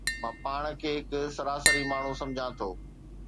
مان پاڻ کي هڪ سراسري ماڻهو سمجهان ٿو